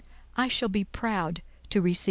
I shall be proud to receive M.